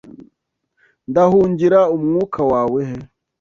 Ndahungira Umwuka wawe he?